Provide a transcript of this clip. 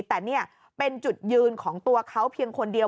แต่นี่เป็นจุดยืนของตัวเขาเพียงคนเดียว